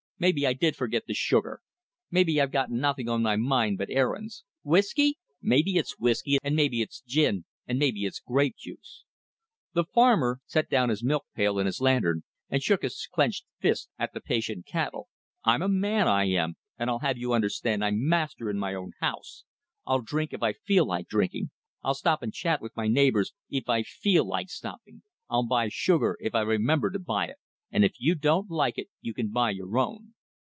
Maybe I did forget the sugar! Maybe I've got nothing on my mind but errands! Whiskey? Maybe it's whiskey, and maybe it's gin, and maybe it's grape juice!" The farmer set down his milk pail and his lantern, and shook his clenched fist at the patient cattle. "I'm a man, I am, and I'll have you understand I'm master in my own house! I'll drink if I feel like drinking, I'll stop and chat with my neighbors if I feel like stopping, I'll buy sugar if I remember to buy it, and if you don't like it, you can buy your own!"